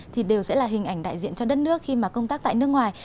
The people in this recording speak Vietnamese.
thì đều sẽ là hình ảnh đại diện cho đất nước khi mà công tác tại nước ngoài